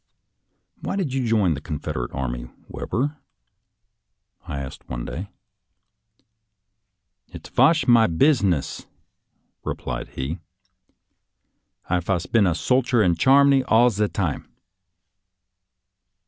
" Why did you join the Confederate Army, Webber? " I asked one day. " It vash my beez ness," replied he. " I vas been a solcher in Char many all ze time."